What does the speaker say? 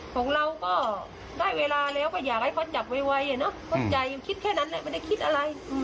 คิดแค่นั้นแหละไม่ได้คิดอะไร